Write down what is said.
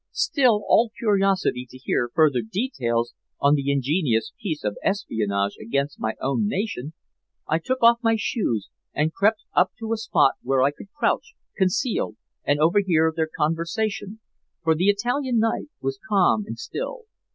Still all curiosity to hear further details on the ingenious piece of espionage against my own nation, I took off my shoes and crept up to a spot where I could crouch concealed and overhear their conversation, for the Italian night was calm and still.